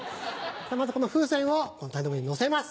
まずこの風船をこの台の上にのせます。